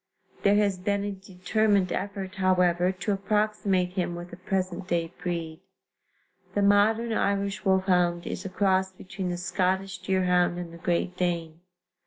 There has been a determined effort, however, to approximate him with a present day breed. The modern Irish wolfhound is a cross between the Scottish deerhound and the Great Dane.